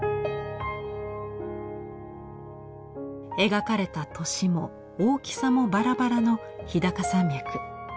描かれた年も大きさもバラバラの日高山脈。